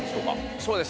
そうですね。